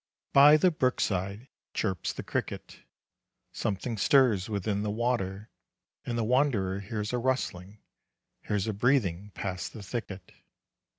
By the brook side chirps the cricket, Something stirs within the water, And the wanderer hears a rustling, Hears a breathing past the thicket.